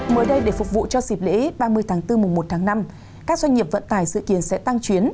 mới đây để phục vụ cho dịp lễ ba mươi tháng bốn mùng một tháng năm các doanh nghiệp vận tải sự kiện sẽ tăng chuyến